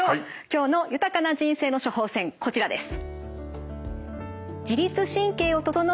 今日の豊かな人生の処方せんこちらです。